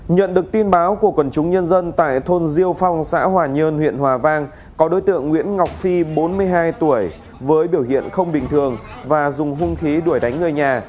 nhận được tin báo của quần chúng nhân dân tại thôn diêu phong xã hòa nhơn huyện hòa vang có đối tượng nguyễn ngọc phi bốn mươi hai tuổi với biểu hiện không bình thường và dùng hung khí đuổi đánh người nhà